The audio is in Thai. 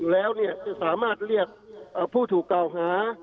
แล้วสามารถเรียกผู้ถูกเก้าหา